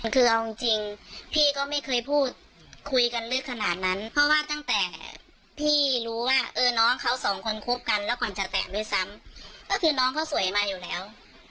คือเอาจริงพี่ก็ไม่เคยพูดคุยกันลึกขนาดนั้นเพราะว่าตั้งแต่พี่รู้ว่าเออน้องเขาสองคนคบกันแล้วก่อนจะแตกด้วยซ้ำก็คือน้องเขาสวยมาอยู่แล้ว